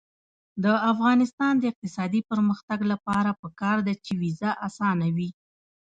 د افغانستان د اقتصادي پرمختګ لپاره پکار ده چې ویزه اسانه وي.